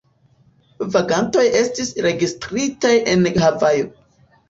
Vagantoj estis registritaj en Havajo.